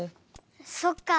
そっか。